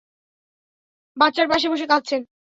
বাচ্চার পাশে বসে কাঁদছেন?